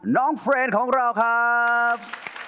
เฟรนด์ของเราครับ